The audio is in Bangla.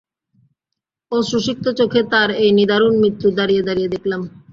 অশ্রুসিক্ত চোখে তার এই নিদারুণ মৃত্যু দাঁড়িয়ে দাঁড়িয়ে দেখলাম।